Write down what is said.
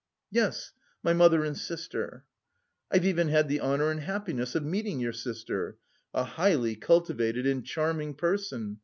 "Yes, my mother and sister." "I've even had the honour and happiness of meeting your sister a highly cultivated and charming person.